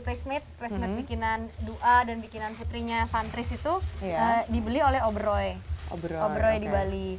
face made resmi bikinan dua dan bikinan putrinya fantris itu dibeli oleh obroy obroy di bali